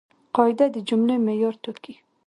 قاعده د جملې معیار ټاکي.